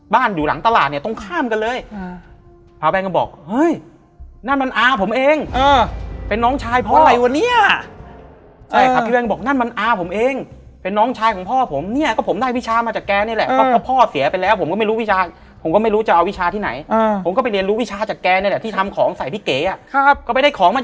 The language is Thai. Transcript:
อยู่หลังตลาดเนี่ยตรงข้ามกันเลยพาแบงก็บอกเฮ้ยนั่นมันอาผมเองเป็นน้องชายเพราะอะไรวะเนี่ยใช่ครับพี่แวงบอกนั่นมันอาผมเองเป็นน้องชายของพ่อผมเนี่ยก็ผมได้วิชามาจากแกนี่แหละเพราะพ่อเสียไปแล้วผมก็ไม่รู้วิชาผมก็ไม่รู้จะเอาวิชาที่ไหนผมก็ไปเรียนรู้วิชาจากแกนี่แหละที่ทำของใส่พี่เก๋อ่ะครับก็ไปได้ของมา